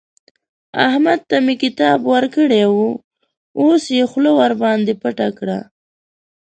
احمد ته مې کتاب ورکړی وو؛ اوس يې خوله ورباندې پټه کړه.